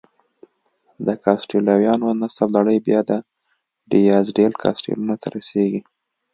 د کاسټیلویانو د نسب لړۍ بیا دیاز ډیل کاسټیلو ته رسېږي.